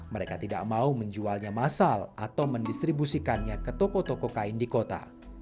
mereka tidak mau menjualnya masal atau mendistribusikannya ke toko toko kain di kota